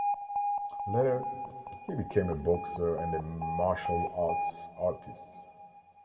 Later, he became a boxer and a “Martial Arts Artist”